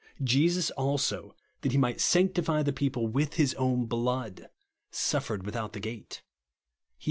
Jesus also, that he might sanctify the people with his oiun blood, suf fered without the gate," (Heb.